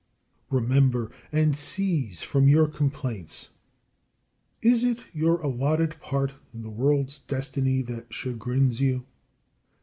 Remember and cease from your complaints. Is it your allotted part in the world's destiny that chagrins you?